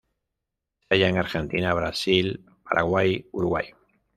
Se halla en Argentina, Brasil, Paraguay, Uruguay.